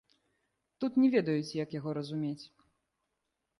Тут не ведаюць, як яго разумець.